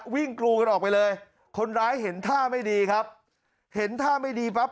กรูกันออกไปเลยคนร้ายเห็นท่าไม่ดีครับเห็นท่าไม่ดีปั๊บ